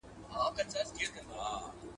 علم به تل خپله لار پيدا کوي.